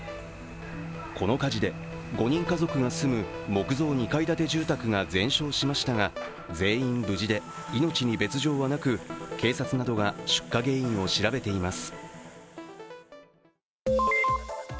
この火事で５人家族が住む木造２階建て住宅が全焼しましたが全員無事で命に別状はなく、警察などが出火原因を調べています。